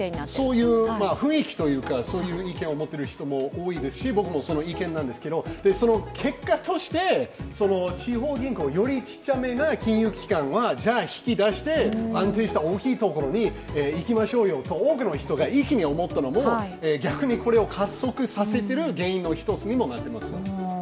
そういう雰囲気というか、そういう意見を持ってる人は多いですし僕もその意見なんですけど、結果として地方銀行、より小さな目な金融機関はじゃあ引き出して、安定した大きいところに行きましょうよと多くの人が一気に思ったのが、逆にこれを加速させている原因の一つにもなっています。